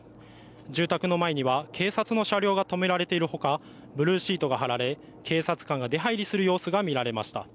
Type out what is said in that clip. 住宅の前には警察の車両が止められているほか、ブルーシートが張られ警察官が出はいりする様子が見られました。